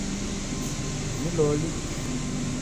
Ni loli ?